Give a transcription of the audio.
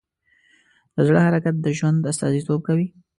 د زړه حرکت د ژوند استازیتوب کوي.